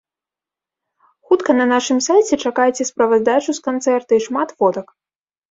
Хутка на нашым сайце чакайце справаздачу з канцэрта і шмат фотак!